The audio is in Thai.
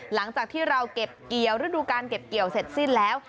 หลังจากที่เราเก็บเกี่ยวฤดูการเก็บเกี่ยวเสร็จสิ้นแล้ว